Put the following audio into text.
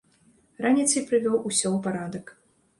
Раніцай прывёў усё ў парадак.